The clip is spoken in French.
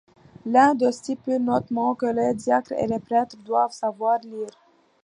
L'un d'eux stipule notamment que les diacres et les prêtres doivent savoir lire.